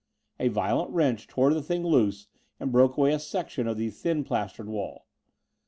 A violent wrench tore the thing loose and broke away a section of the thin plastered wall.